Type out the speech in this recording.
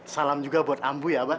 salam juga buat ambu ya abah